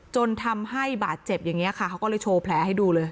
จนทำให้บาดเจ็บอย่างนี้ค่ะเขาก็เลยโชว์แผลให้ดูเลย